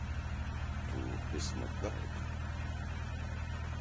تُو قسمت دار تُھو۔